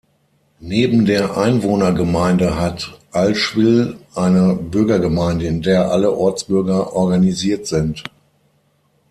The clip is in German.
Neben der Einwohnergemeinde hat Allschwil eine Bürgergemeinde, in der alle Ortsbürger organisiert sind.